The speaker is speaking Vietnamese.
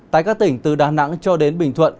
tại các tỉnh từ đà nẵng cho đến bình thuận